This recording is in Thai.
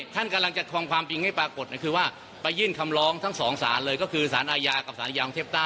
ตอนนั้นเราไม่อยู่ด้วย